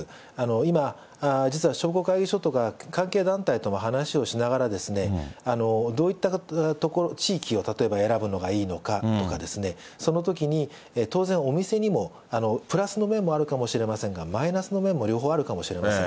今、実は商工会議所とか、関係団体とも話をしながら、どういった地域を例えば選ぶのがいいのかとか、そのときに、当然お店にもプラスの面もあるかもしれませんが、マイナスの面も両方あるかもしれません。